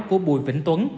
của bùi vĩnh tuấn